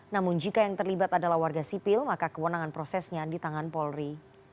namun jika yang terlibat adalah warga sipil maka kewenangan prosesnya di tangan polri